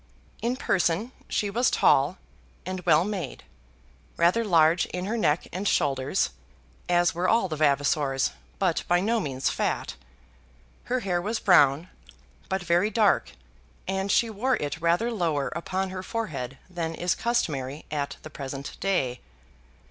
In person she was tall and well made, rather large in her neck and shoulders, as were all the Vavasors, but by no means fat. Her hair was brown, but very dark, and she wore it rather lower upon her forehead than is customary at the present day.